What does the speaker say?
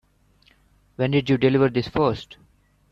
When did you deliver this first?